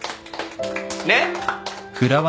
ねっ？